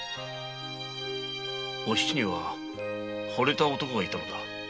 お七には惚れた男がいたのだ。